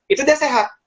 itu dia sehat